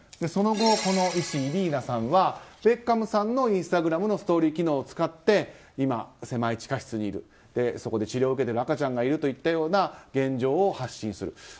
その後、この医師イリーナさんはベッカムさんのインスタグラムのストーリー機能を使って今狭い地下室にいるそこで治療を受けている赤ちゃんがいるという現状を発信する。